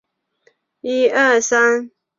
巴罗杜罗是巴西皮奥伊州的一个市镇。